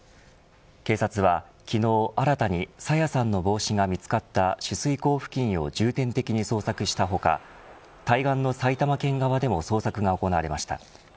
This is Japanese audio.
警察は昨日新たに朝芽さんの帽子が見つかった取水口付近を重点的に捜索した他対岸の埼玉県側でも捜索が行われました。